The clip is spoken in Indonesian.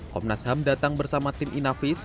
komnas ham datang bersama tim inavis